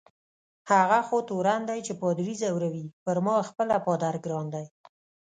هغه خو تورن دی چي پادري ځوروي، پر ما خپله پادر ګران دی.